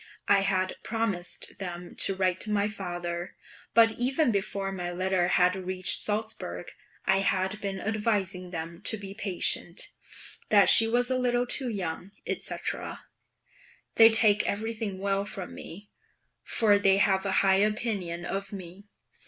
I had promised them to write to my father; but even before my letter had reached Salzburg I had been advising them to be patient, that she was a little too young, &c. They take everything well from me, for they have a high opinion of me.